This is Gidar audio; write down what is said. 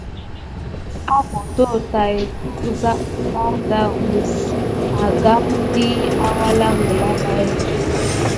Avoto tat kuzabe bardaou mizine agampa diy awale bayague.